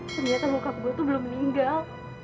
ternyata bokap gue tuh belum meninggal